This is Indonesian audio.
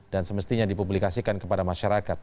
dan semestinya dipublikasikan kepada masyarakat